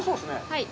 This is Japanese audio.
はい。